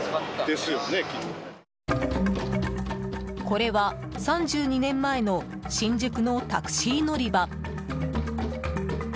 これは、３２年前の新宿のタクシー乗り場。